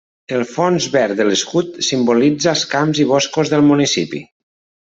El fons verd de l'escut simbolitza els camps i boscos del municipi.